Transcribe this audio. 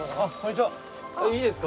いいですか？